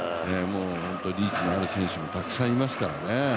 本当にリーチのある選手もたくさんいますからね。